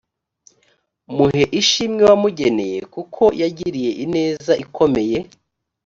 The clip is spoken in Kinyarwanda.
muhe ishimwe wamugeneye kuko yagiriye ineza ikomeye